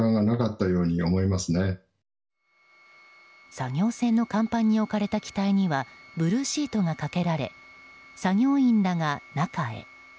作業船の甲板に置かれた機体にはブルーシートがかけられ作業員らが中へ。